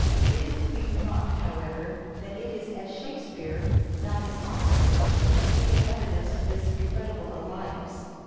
It is to be remarked, however, that it is as " Shake speare " not as Oxford that we get evidence of this regrettable alliance.